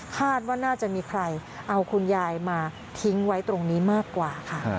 คาดว่าน่าจะมีใครเอาคุณยายมาทิ้งไว้ตรงนี้มากกว่าค่ะ